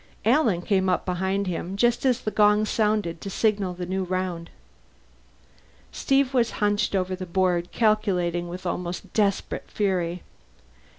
Alan came up behind him, just as the gong sounded to signal the new round. Steve was hunched over the board, calculating with almost desperate fury.